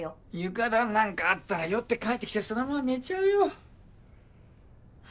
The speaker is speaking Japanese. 床暖なんかあったら酔って帰ってきてそのまま寝ちゃうよ。